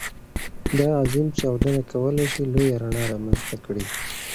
دا عظيم چاودنه کولی شي لویه رڼا رامنځته کړي.